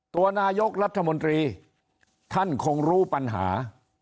ตัวนายกรัฐมนตรีท่านคงรู้ปัญหา